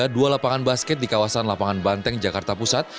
dua lapangan basket di kawasan lapangan banteng jakarta pusat